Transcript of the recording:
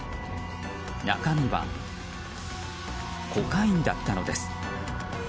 中身はコカインだったのです。